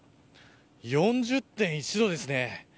４０．１度ですね。